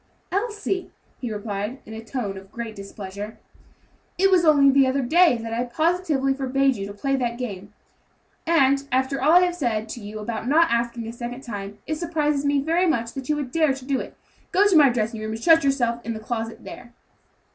"Elsie," he replied, in a tone of great displeasure, "it was only the other day that I positively forbade you to play that game, and, after all that I have said to you about not asking a second time, it surprises me very much that you would dare to do it. Go to my dressing room, and shut yourself into the closet there."